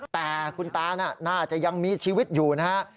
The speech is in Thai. แต่คุณตาน่าจะยังมีชีวิตอยู่นะฮะ